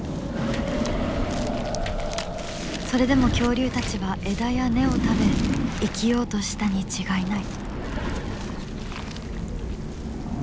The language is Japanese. それでも恐竜たちは枝や根を食べ生きようとしたに違いない。